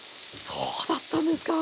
そうだったんですか！